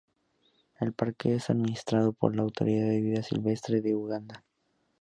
El parque es administrado por la Autoridad de Vida Silvestre de Uganda.